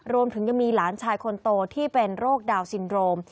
รวมถึงยังมีหลานชายคนโตที่เป็นโรคดาวนซินโรม